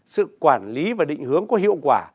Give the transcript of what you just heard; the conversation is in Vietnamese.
sự quản lý và định hướng có hiệu quả